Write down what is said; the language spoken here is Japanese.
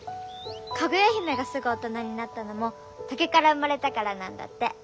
かぐやひめがすぐ大人になったのも竹から生まれたからなんだって。